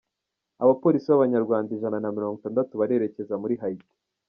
Abapolisi b’Abanyarwanda Ijana Namirongo Itandatu barerekeza muri Hayiti